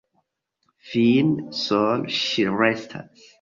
Fine sole ŝi restas.